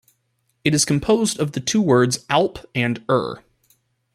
It is composed of the two words "alp" and "er".